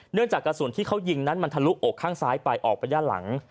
จากกระสุนที่เขายิงนั้นมันทะลุอกข้างซ้ายไปออกไปด้านหลัง